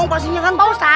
kasih nggak tahu